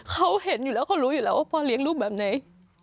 เขาเห็นอยู่แล้วเขารู้อยู่แล้วว่าพ่อเลี้ยงลูกแบบไหน